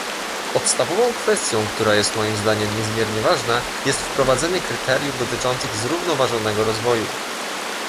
Podstawową kwestią, która jest moim zdaniem niezmiernie ważna, jest wprowadzenie kryteriów dotyczących zrównoważonego rozwoju